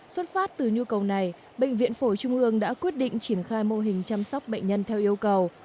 xuất phát từ nhu cầu này bệnh viện phổi trung ương đã quyết định triển khai mô hình chăm sóc bệnh nhân theo yêu cầu